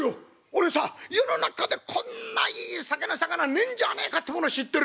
俺さ世の中でこんないい酒の肴ねえんじゃねえかってもの知ってるよ」。